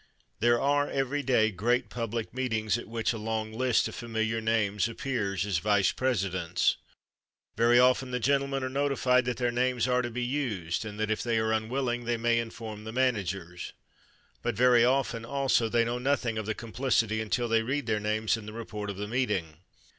There are every day great public meetings at which a long list of familiar names appears as vice presidents. Very often the gentlemen are notified that their names are to be used, and that if they are unwilling they may inform the managers. But very often, also, they know nothing of the complicity until they read their names in the report of the meeting.